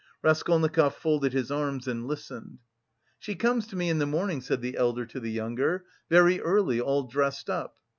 Raskolnikov folded his arms and listened. "She comes to me in the morning," said the elder to the younger, "very early, all dressed up.